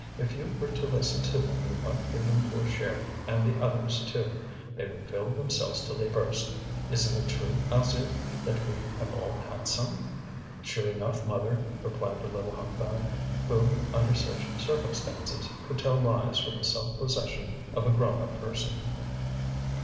"If you were to listen to them you might give them your share and the others', too; they would fill themselves till they burst. Isn't it true, Alzire, that we have all had some?" "Sure enough, mother," replied the little humpback, who under such circumstances could tell lies with the self possession of a grown up person.